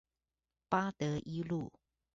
八德一路